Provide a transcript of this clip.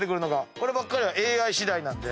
こればかりはＡＩしだいなんで。